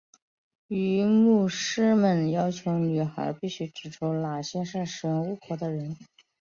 于是牧师们要求女孩必须指出哪些是使用巫术的人。